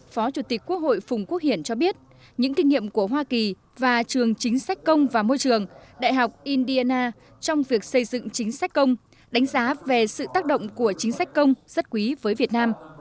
phó chủ tịch quốc hội phùng quốc hiển cho biết những kinh nghiệm của hoa kỳ và trường chính sách công và môi trường đại học indiana trong việc xây dựng chính sách công đánh giá về sự tác động của chính sách công rất quý với việt nam